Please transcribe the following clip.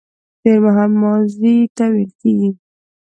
تېرمهال ماضي ته ويل کيږي